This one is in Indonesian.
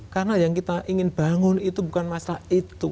karena yang kita ingin bangun itu bukan masalah itu